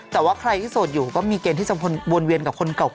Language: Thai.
แต่ว่าใครที่โสดอยู่ก็มีเกณฑ์ที่จะวนเวียนกับคนเก่า